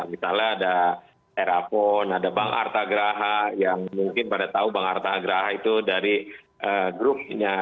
misalnya ada erapon ada bank artagraha yang mungkin pada tahu bank artagraha itu dari grupnya